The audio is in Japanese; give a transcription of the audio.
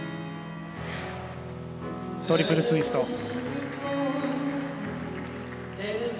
トリプルツイスト。